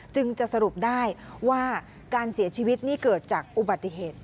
จึงจะสรุปได้ว่าการเสียชีวิตนี่เกิดจากอุบัติเหตุ